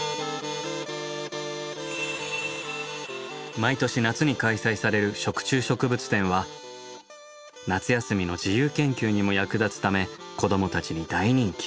毎年夏に開催される食虫植物展は夏休みの自由研究にも役立つため子どもたちに大人気。